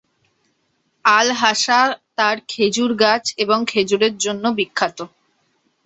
আল-হাসা তার খেজুর গাছ এবং খেজুরের জন্য বিখ্যাত।